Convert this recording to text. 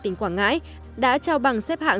tỉnh quảng ngãi đã trao bằng xếp hạng